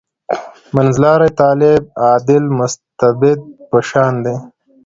منځلاری طالب «عادل مستبد» په شان دی.